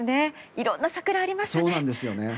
いろんな桜がありましたね。